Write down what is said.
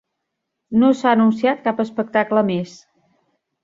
No s'ha anunciat cap espectacle més.